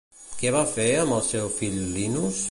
Què va fer amb el seu fill Linos?